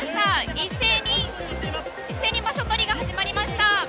一斉に場所取りが始まりました。